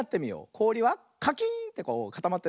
こおりはカキーンってこうかたまってるね。